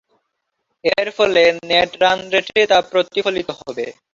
এরফলে net run রেটে তা প্রতিফলিত হবে।